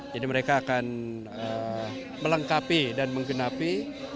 jadi mereka akan melengkapi dan menggenapi